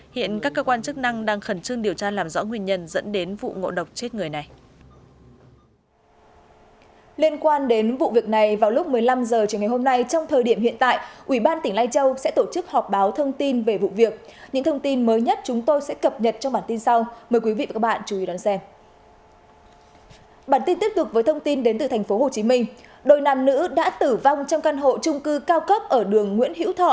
hiện các cơ quan chức năng đang khẩn trương điều tra làm rõ nguyên nhân dẫn đến vụ ngộ độc chết người này